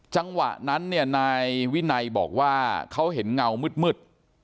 จังหวะนั้นนายวินัยฮ่องเพบอกว่าเขาเห็นเงามืด